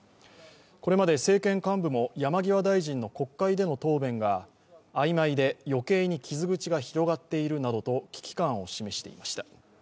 これまで政権幹部も山際大臣の国会での答弁があいまいで余計に傷口が広がっているなどと危機感を示していました。